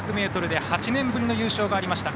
４００ｍで８年ぶりの優勝がありました。